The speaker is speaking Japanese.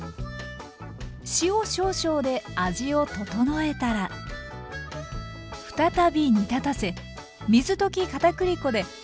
塩少々で味を調えたら再び煮立たせ水溶きかたくり粉でとろみをつけます。